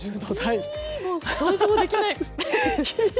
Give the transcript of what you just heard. もう、想像できない！